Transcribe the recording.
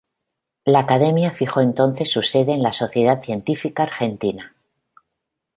La Academia fijó entonces su sede en la Sociedad Científica Argentina.